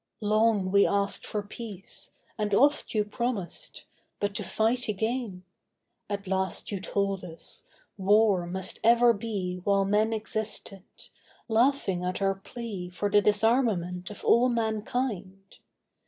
'Long we asked for peace, And oft you promised—but to fight again. At last you told us, war must ever be While men existed, laughing at our plea For the disarmament of all mankind.